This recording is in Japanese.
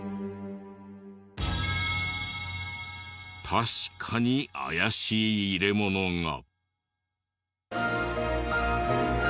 確かに怪しい入れ物が。